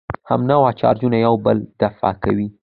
همنوع چارجونه یو بل دفع کوي.